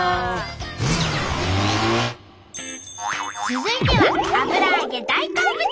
続いては油揚げ大好物！